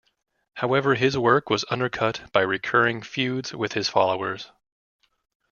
However his work was undercut by recurring feuds with his followers.